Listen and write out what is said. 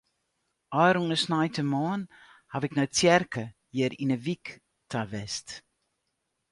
Ofrûne sneintemoarn haw ik nei de tsjerke hjir yn de wyk ta west.